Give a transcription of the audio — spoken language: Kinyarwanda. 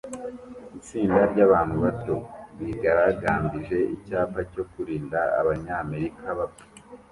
Itsinda ryabantu bato bigaragambije icyapa cyo kurinda Abanyamerika bapfa